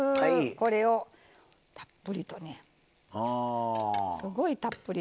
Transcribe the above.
これをたっぷりとねすごいたっぷり。